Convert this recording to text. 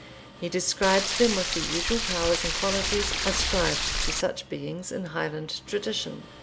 He describes them with the usual powers and qualities ascribed to such beings in Highland tradition.